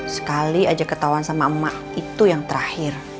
sekali aja ketahuan sama emak itu yang terakhir